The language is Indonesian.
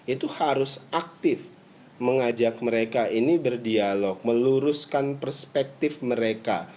itu harus aktif mengajak mereka ini berdialog meluruskan perspektif mereka